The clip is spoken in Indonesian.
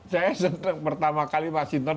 saya pertama kali di washington